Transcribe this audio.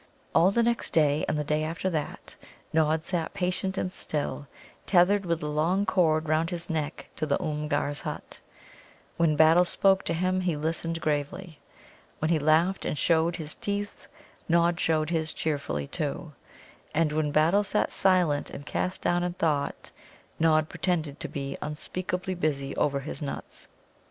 All the next day, and the day after that, Nod sat patient and still, tethered with a long cord round his neck to the Oomgar's hut. When Battle spoke to him he listened gravely. When he laughed and showed his teeth, Nod showed his cheerfully, too. And when Battle sat silent and cast down in thought, Nod pretended to be unspeakably busy over his nuts.